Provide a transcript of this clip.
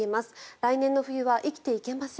来年の冬は生きていけません。